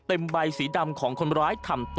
สวัสดีครับ